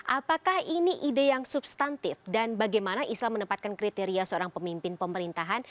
apakah ini ide yang substantif dan bagaimana islam menempatkan kriteria seorang pemimpin pemerintahan